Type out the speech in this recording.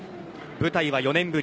舞台は４年ぶり